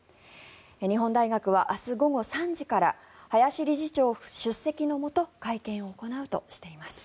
日本大学は明日午後３時から林理事長出席のもと会見を行うとしています。